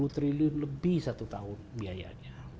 sepuluh triliun lebih satu tahun biayanya